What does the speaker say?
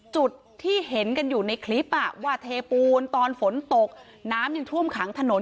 จุดที่เห็นกันอยู่ในคลิปว่าเทปูนตอนฝนตก